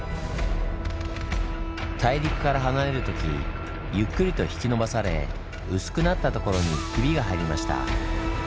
大陸から離れるときゆっくりと引き伸ばされ薄くなったところにヒビが入りました。